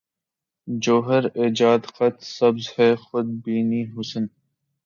جوہر ایجاد خط سبز ہے خود بینیٔ حسن